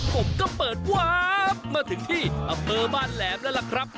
ผมก็เปิดวาบมาถึงที่อำเภอบ้านแหลมแล้วล่ะครับ